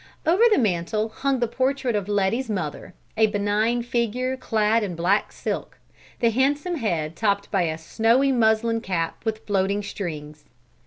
Over the mantel hung the portrait of Letty's mother, a benign figure clad in black silk, the handsome head topped by a snowy muslin cap with floating strings.